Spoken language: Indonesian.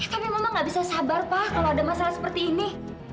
tapi mama gak bisa sabar pa kalau ada masalah seperti ini